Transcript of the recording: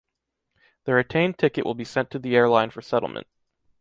The retained ticket will be sent to the airline for settlement.